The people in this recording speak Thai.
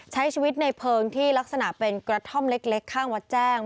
ใช้ชีวิตในเพลิงที่ลักษณะเป็นกระท่อมเล็กข้างวัดแจ้ง